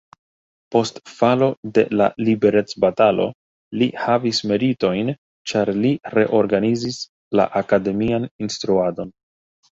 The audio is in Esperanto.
Post falo de la liberecbatalo li havis meritojn, ĉar li reorganizis la akademian instruadon.